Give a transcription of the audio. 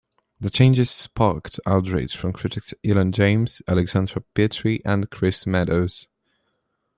The changes sparked outrage from critics Elon James, Alexandra Petrie and Chris Meadows.